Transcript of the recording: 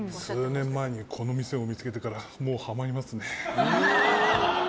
数年前にこの店を見つけてからハマってますね。